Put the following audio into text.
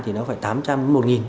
thì nó phải tám trăm linh một nghìn